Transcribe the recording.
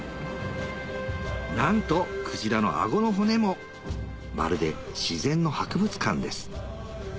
なんと鯨のアゴの骨もまるで自然の博物館です